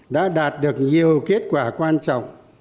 đã đạt được nhiều kết quả quan trọng